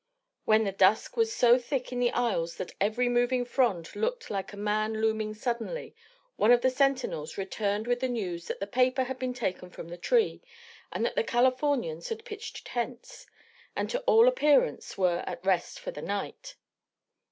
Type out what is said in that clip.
When the dusk was so thick in the aisles that every moving frond looked like a man looming suddenly, one of the sentinels returned with the news that the paper had been taken from the tree, and that the Californians had pitched tents, and to all appearance were at rest for the night.